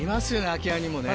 空き家にもね。